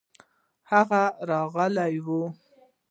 هغه غلى و.